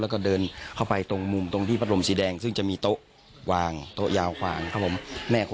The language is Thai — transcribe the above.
แล้วก็เดินเข้าไปตรงมุมตรงที่พัดลมสีแดงซึ่งจะมีโต๊ะวางโต๊ะยาวกวางครับผม